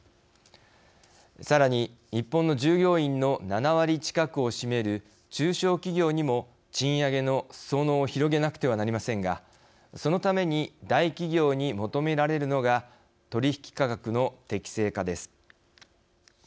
さらに、日本の従業員の７割近くを占める中小企業にも賃上げのすそ野を広げなくてはなりませんがそのために大企業に求められるのが取引価格の適正化です。